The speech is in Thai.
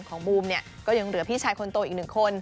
ของบูมก็ยังเหลือพี่ชายคนโตอีกหนึ่งคน